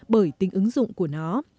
bởi tính ứng dụng của nó